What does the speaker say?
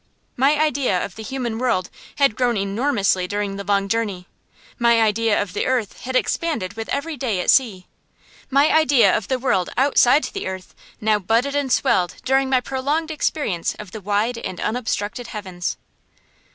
My idea of the human world had grown enormously during the long journey; my idea of the earth had expanded with every day at sea; my idea of the world outside the earth now budded and swelled during my prolonged experience of the wide and unobstructed heavens.